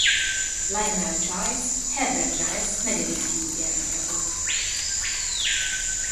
Lionel Giles Herbert Giles negyedik fiú gyermeke volt.